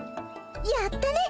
やったね！